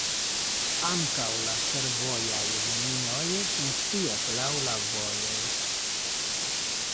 Ankaŭ la fervojaj linioj funkcias laŭ la vojoj.